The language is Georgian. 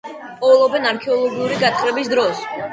პოულობენ არქეოლოგიური გათხრების დროს.